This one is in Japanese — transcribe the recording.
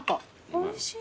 おいしい。